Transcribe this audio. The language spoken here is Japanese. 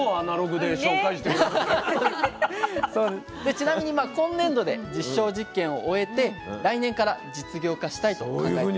ちなみに今年度で実証実験を終えて来年から事業化したいと考えているそうです。